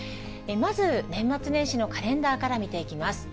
まず年末年始のカレンダーから見ていきます。